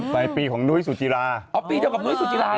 ไปปีของนุ้ยสุจีราอ๋อปีเดียวกับนุ้ยสุจีราเหรอ